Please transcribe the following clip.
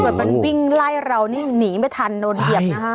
มันวิ่งไล่เรานี่หนีไม่ทันโดนเหยียบนะคะ